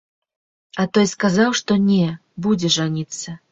А той сказаў, што не, будзе жаніцца.